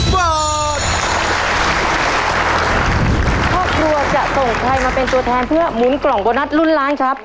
ครอบครัวจะส่งใครมาเป็นตัวแทนเพื่อหมุนกล่องโบนัสลุ้นล้านครับ